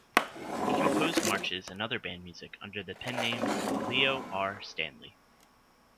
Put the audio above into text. He composed marches and other band music under the pen name Leo R. Stanley.